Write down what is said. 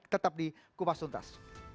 tetap di kupas tuntas